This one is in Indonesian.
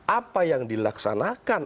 apa yang dilaksanakan